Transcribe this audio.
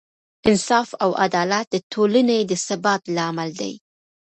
انصاف او عدالت د ټولنې د ثبات لامل دی.